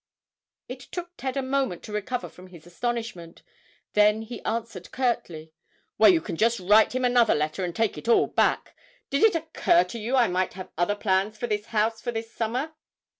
It took Ted a moment to recover from his astonishment; then he answered curtly, "Well, you can just write him another letter and take it all back. Did it occur to you I might have other plans for this house for this summer?"